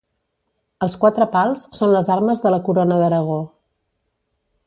Els quatre pals són les armes de la Corona d'Aragó.